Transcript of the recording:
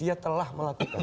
dia telah melakukan